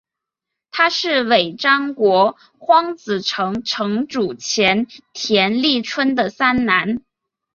他是尾张国荒子城城主前田利春的三男。